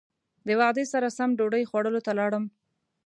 د وعدې سره سم ډوډۍ خوړلو ته لاړم.